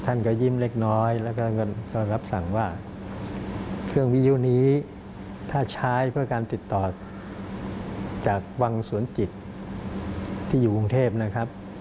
ท่านก็ยิ้มเล็กน้อยแล้วก็รับสั่งว่าเครื่องวิยุนี้ถ้าใช้เพื่อการติดต่อจากวังสวนจิตที่อยู่กรุงเทพนะครับ